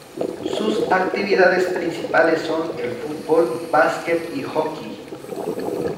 Sus actividades principales son el fútbol, básquet y hockey.